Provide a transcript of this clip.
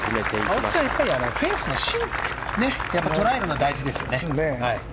青木さん、やっぱりフェースの芯を捉えるのが大事ですよね。